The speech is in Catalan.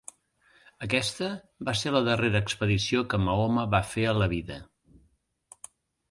Aquesta va ser la darrera expedició que Mahoma va fer a la vida.